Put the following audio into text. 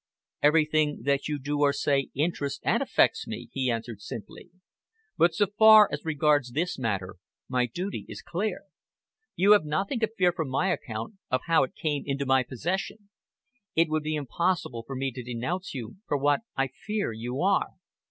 "Everything that you do or say interests and affects me," he answered simply, "but so far as regards this matter, my duty is clear. You have nothing to fear from my account of how it came into my possession. It would be impossible for me to denounce you for what I fear you are.